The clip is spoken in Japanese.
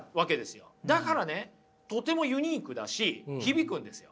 だからねとてもユニークだし響くんですよ。